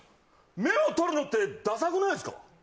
メモ取るのってダサくないですか？